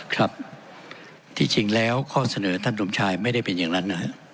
ครับที่จริงแล้วข้อเสนอท่านสมชายไม่ได้เป็นอย่างนั้นนะฮะ